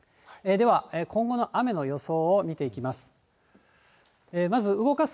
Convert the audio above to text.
では今後の雨の予想を見ていきます。